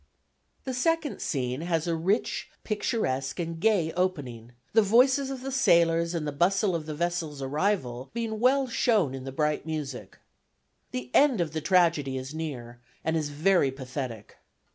The second scene has a rich, picturesque, and gay opening, the voices of the sailors and the bustle of the vessel's arrival being well shown in the bright music. The end of the tragedy is near, and is very pathetic.